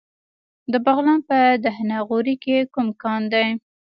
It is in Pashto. د بغلان په دهنه غوري کې کوم کان دی؟